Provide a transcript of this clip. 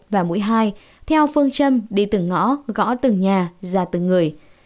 và mũi hai theo phương châm đi từng ngõ gõ từng nhà ra từng người